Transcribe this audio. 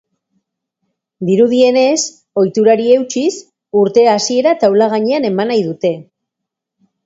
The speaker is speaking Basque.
Dirudienez, ohiturari eutsiz, urte hasiera taula gainean eman nahi dute.